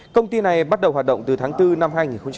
công ty này bắt đầu hoạt động từ tháng bốn năm hai nghìn một mươi tám